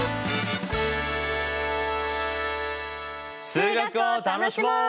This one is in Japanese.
数学を楽しもう！